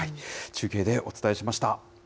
中継でお伝えしました。